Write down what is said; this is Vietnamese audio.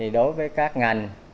đối với các ngành